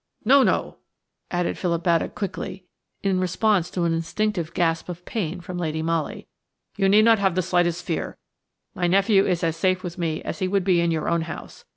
"No, no!" added Philip Baddock quickly, in response to an instinctive gasp of pain from Lady Molly; "you need not have the slightest fear. My nephew is as safe with me as he would be in your own house.